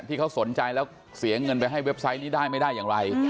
ที่เขาสนใจแล้วเสียเงินไปให้เว็บไซต์นี้ได้ไม่ได้อย่างไร